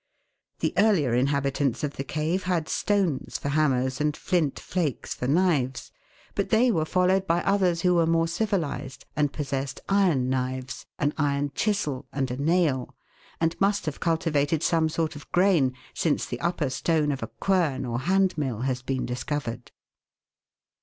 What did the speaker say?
The earlier inhabitants of the cave had stones for hammers and flint flakes for knives, but they were followed by others who were more civilised and possessed iron knives, an iron chisel, and a nail, and must have cultivated some sort of grain, since the upper stone of a quern or hand mill has been discovered.